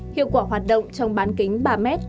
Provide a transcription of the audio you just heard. hiệu quả hoạt động trong bán kính ba m